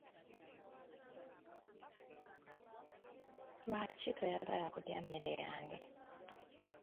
Lwaki toyagala kulya mmere yange?